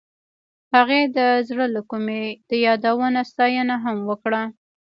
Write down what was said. هغې د زړه له کومې د یادونه ستاینه هم وکړه.